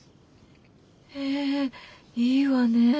へぇいいわねぇ。